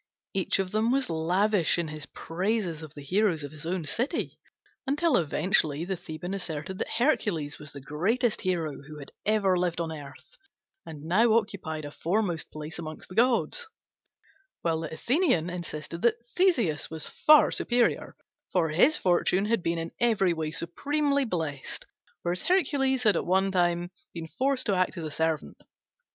Each of them was lavish in his praises of the heroes of his own city, until eventually the Theban asserted that Hercules was the greatest hero who had ever lived on earth, and now occupied a foremost place among the gods; while the Athenian insisted that Theseus was far superior, for his fortune had been in every way supremely blessed, whereas Hercules had at one time been forced to act as a servant.